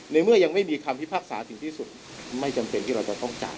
เมื่อยังไม่มีคำพิพากษาถึงที่สุดไม่จำเป็นที่เราจะต้องจ่าย